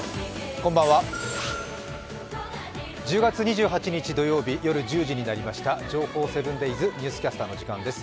こんばんは、１０月２８日土曜日夜１０時になりました、「情報７ｄａｙｓニュースキャスター」の時間です。